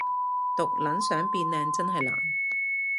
毒撚想變靚真係難